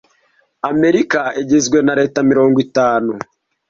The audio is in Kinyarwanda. Amerika igizwe na leta mirongo itanu.